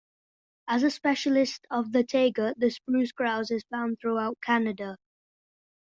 As a specialist of the taiga, the spruce grouse is found throughout Canada.